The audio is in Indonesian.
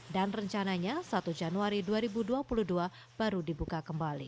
dan rencananya satu januari dua ribu dua puluh dua baru dibuka kembali